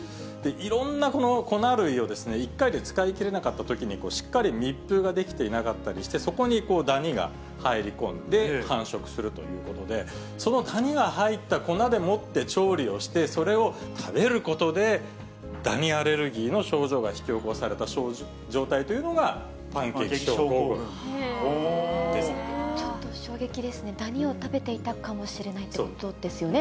いろんなこの粉類を一回で使いきれなかったときにしっかり密封ができていなかったりして、そこにダニが入り込んで、繁殖するということで、そのダニが入った粉でもって調理をして、それを食べることで、ダニアレルギーの症状が引き起こされた状態というのが、パンケーちょっと衝撃ですね、ダニを食べていたかもしれないってことですよね？